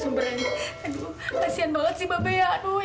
mulai bakal indah